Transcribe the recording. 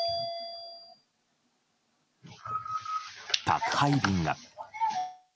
宅配便が。